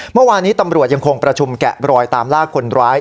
เมื่อวานี้ตำรวจยังคงประชุมแกะบรอยตามล่าคนร้าย